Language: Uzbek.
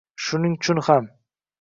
Shuning-chun ham